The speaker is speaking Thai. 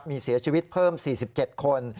มีเสียชีวิตเพิ่ม๔๗คน